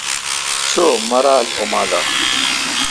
چو مرال اؙن ما دا۔